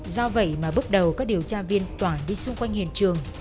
do vậy mà bước đầu các điều tra viên tỏa đi xung quanh hiện trường